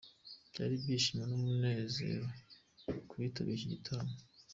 Byari ibyishimo n'umunezero ku bitabiriye iki gitaramo.